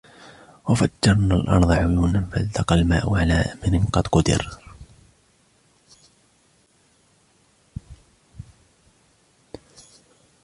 وَفَجَّرْنَا الأَرْضَ عُيُونًا فَالْتَقَى الْمَاء عَلَى أَمْرٍ قَدْ قُدِرَ